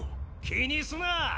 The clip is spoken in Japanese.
気にすな。